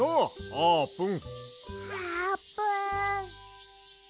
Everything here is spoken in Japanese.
あーぷん。